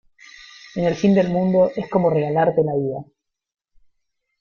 en el fin del mundo es como regalarte la vida.